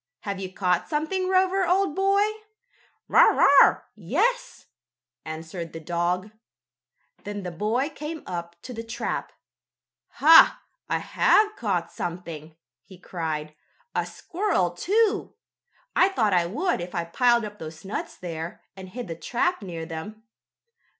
"Have you caught something, Rover, old boy?" "Bow wow! Yes!" answered the dog. Then the boy came up to the trap. "Ha! I have caught something!" he cried. "A squirrel, too! I thought I would if I piled up those nuts there, and hid the trap near them.